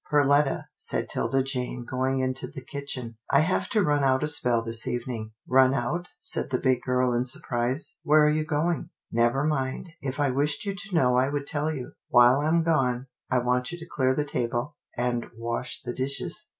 " Perletta," said 'Tilda Jane going into the kitchen, " I have to run out a spell this evening." " Run out," said the big girl in surprise. " Where you going? "" Never mind — if I wished you to know I would tell you. While I'm gone, I want you to clear the table, and wash the dishes."